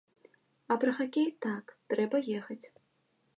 А пра хакей, так, трэба ехаць.